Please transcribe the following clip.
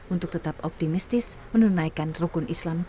untuk tetap optimistis menunaikan rukun islam ke lima ini